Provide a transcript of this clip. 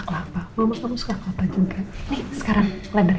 lain lain dipotongin ya